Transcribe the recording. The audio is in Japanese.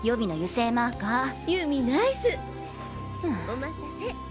お待たせ！